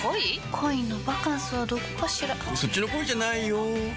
恋のバカンスはどこかしらそっちの恋じゃないよ